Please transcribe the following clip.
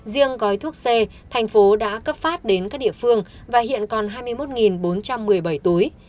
riêng gói thuốc c thành phố đã cấp phát đến các địa phương và hiện còn hai mươi một bốn trăm một mươi bảy túi